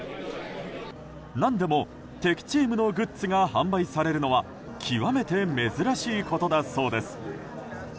何でも敵チームのグッズが販売されるのは極めて珍しいことだそうです。